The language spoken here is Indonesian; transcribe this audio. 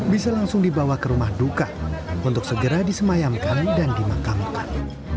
bisa langsung dibawa ke rumah duka untuk segera disemayamkan dan dimakamkan